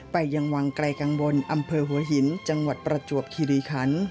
ไปยังวังไกลกังวลอำเภอหัวหินจังหวัดประจวบคิริคัน